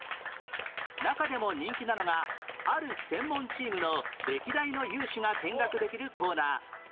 中でも人気なのがある専門チームの歴代の勇姿が見学できるコーナー